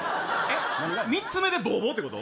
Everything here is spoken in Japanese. ３つ目でぼーぼーってこと。